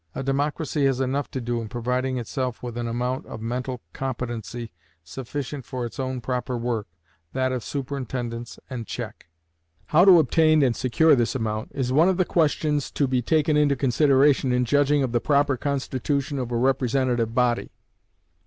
A democracy has enough to do in providing itself with an amount of mental competency sufficient for its own proper work, that of superintendence and check. How to obtain and secure this amount is one of the questions to taken into consideration in judging of the proper constitution of a representative body.